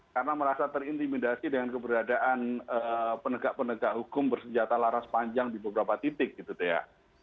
karena merasa terintimidasi dengan keberadaan penegak penegak hukum bersenjata laras panjang di beberapa titik gitu ya